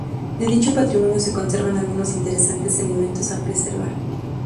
De dicho patrimonio se conservan algunos interesantes elementos a preservar.